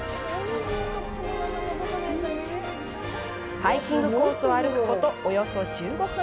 ハイキングコースを歩くことおよそ１５分。